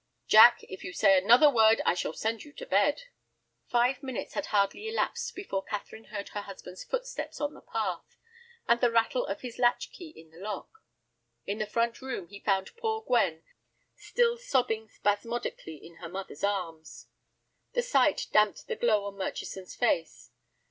"Jack, if you say another word I shall send you to bed." Five minutes had hardly elapsed before Catherine heard her husband's footsteps on the path, and the rattle of his latch key in the lock. In the front room he found poor Gwen still sobbing spasmodically in her mother's arms. The sight damped the glow on Murchison's face.